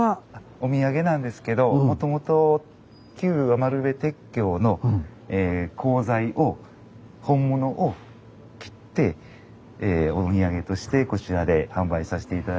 お土産なんですけどもともと旧余部鉄橋の鋼材を本物を切ってお土産としてこちらで販売さして頂いてるんです。